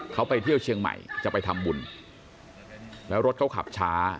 เขาไปเที่ยวเชียงใหม่จะไปทำบุญแล้วรถเขาขับช้า